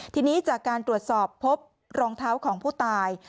ทีนี้จากการตรวจสอบพบรองเท้าของผู้ตาย